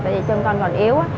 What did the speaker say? vì chân con còn yếu á